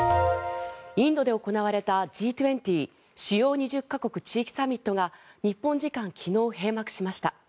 インドで行われたＧ２０＝主要２０か国・地域サミットが日本時間昨日、閉幕しました。